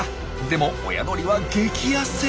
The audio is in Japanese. でも親鳥は激ヤセ！